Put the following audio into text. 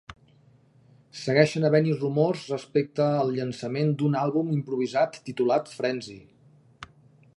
Segueixen havent-hi rumors respecte al llançament d'un àlbum improvisat titulat "Frenzy".